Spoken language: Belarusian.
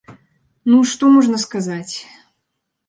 Ну, што можна сказаць?